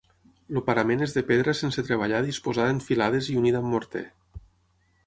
El parament és de pedra sense treballar disposada en filades i unida amb morter.